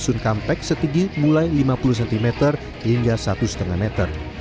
dusun kampek setinggi mulai lima puluh cm hingga satu lima meter